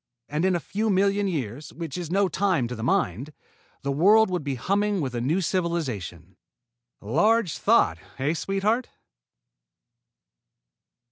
And, in a few million years, which is no time to the Mind, the world would be humming with a new civilization. Large thought, eh, sweetheart?"